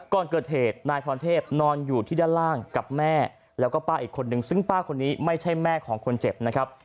ก่อนเกิดเหตุนายพรเทพนอนอยู่ที่ด้านล่างกับแม่แล้วก็ป้าอีกคนนึงซึ่งป้าคนนี้ไม่ใช่แม่ของคนเจ็บนะครับ